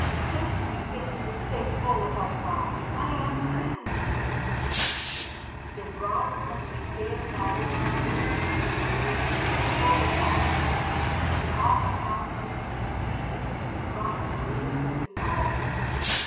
"'Save me if you would save Olaf,' I cried. 'I am prisoned here.' "They brought one of their scaling ladders and drew me through the window. I told them all I knew. They caught a palace eunuch and beat him till he promised to lead us to this hall.